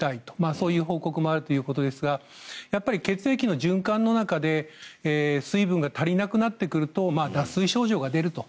そういう報告もあるということですが血液の循環の中で水分が足りなくなってくると脱水症状が出ると。